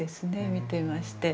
見てまして。